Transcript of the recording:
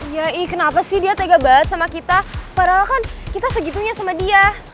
ya ih kenapa sih dia tega banget sama kita padahal kan kita segitunya sama dia